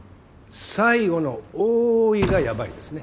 最後の「おい」がヤバいですね。